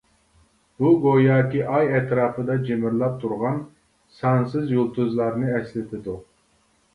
بۇ گوياكى ئاي ئەتراپىدا جىمىرلاپ تۇرغان سانسىز يۇلتۇزلارنى ئەسلىتىدۇ.